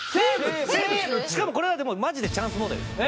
しかもこれはマジでチャンス問題です。